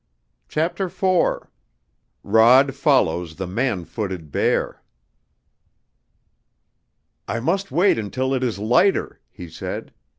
CHAPTER IV ROD FOLLOWS THE MAN FOOTED BEAR "I must wait until it is lighter," he said.